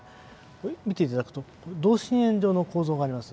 見ていただくと同心円状の構造があります。